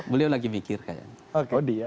beliau lagi mikir kayaknya